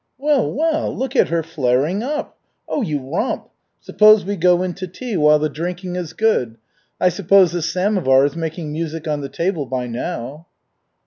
"Well, well! Look at her flaring up! Oh, you romp! Suppose we go in to tea while the drinking is good. I suppose the samovar is making music on the table by now."